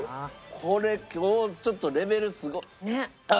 これ今日ちょっとレベルすごっ。